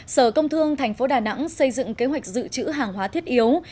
sở công thương tp đà nẵng xây dựng kế hoạch dự trữ hàng hóa thiết yếu